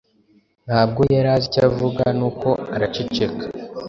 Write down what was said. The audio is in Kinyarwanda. Ntabwo yari azi icyo avuga, nuko araceceka.